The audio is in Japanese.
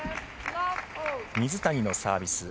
水谷のサービス。